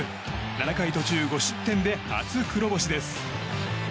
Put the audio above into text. ７回途中５失点で初黒星です。